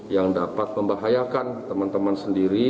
yang dapat membahayakan teman teman sendiri